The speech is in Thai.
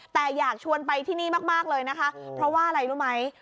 แต่อยากชวนไปที่นี่มากเลยนะคะเพราะว่าอะไรรู้ไหม